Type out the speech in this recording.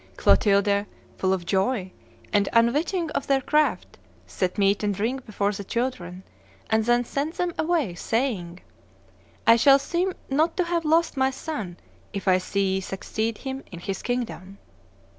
Clotilde, full of joy, and unwitting of their craft, set meat and drink before the children, and then sent them away, saying, 'I shall seem not to have lost my son if I see ye succeed him in his kingdom.